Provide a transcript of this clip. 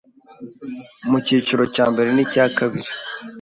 mu cyiciro cya mbere n'icya kabiri